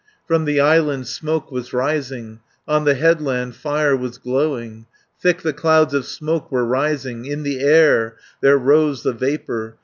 From the island smoke was rising, On the headland fire was glowing; Thick the clouds of smoke were rising, In the air there rose the vapour.